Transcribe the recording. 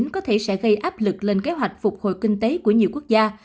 có thể sẽ gây áp lực lên kế hoạch phục hồi kinh tế của nhiều quốc gia